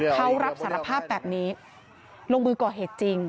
เขารับสารภาพแบบนี้ลงมือก่อเหตุจริง